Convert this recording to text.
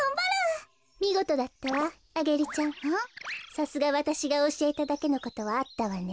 さすがわたしがおしえただけのことはあったわね。